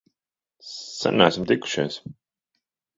Sen neesam tikušies!